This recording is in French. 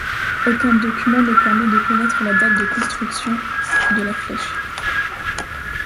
Aucun document ne permet de connaître la date de construction de la flèche.